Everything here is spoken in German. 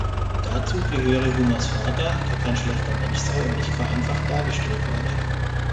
Dazu gehöre Homers Vater, der kein schlechter Mensch sei und nicht vereinfacht dargestellt werde.